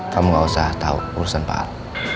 kamu gak usah tau urusan pak al